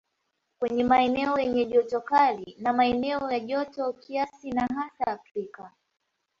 Kwenye maeneo yenye joto kali na maeneo ya joto kiasi na hasa Afrika